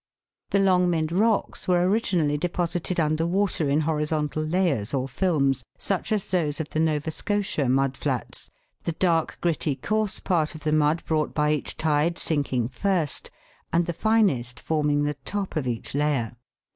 The Longmynd rocks were originally deposited under water in horizontal layers or films, such as those of the Nova Scotia mud flats, the dark, gritty, coarse part of the mud brought by each tide sinking first, and the finest forming the top of each layer.